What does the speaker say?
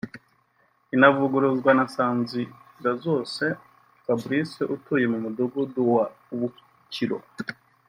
inavuguruzwa na Nsanzirazose Fabrice utuye mu mudugudu wa Bukiro